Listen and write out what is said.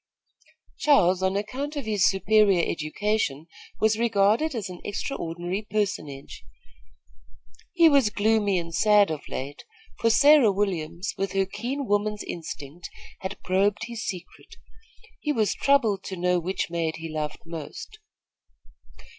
Charles, on account of his superior education, was regarded as an extraordinary personage. He was gloomy and sad of late, for Sarah Williams, with her keen woman's instinct, had probed his secret. He was troubled to know which maid he loved most.